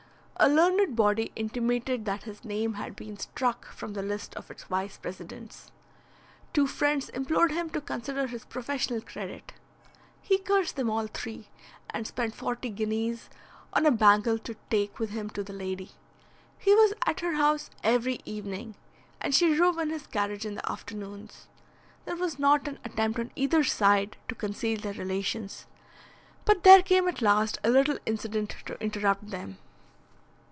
A learned body intimated that his name had been struck from the list of its vice presidents. Two friends implored him to consider his professional credit. He cursed them all three, and spent forty guineas on a bangle to take with him to the lady. He was at her house every evening, and she drove in his carriage in the afternoons. There was not an attempt on either side to conceal their relations; but there came at last a little incident to interrupt them.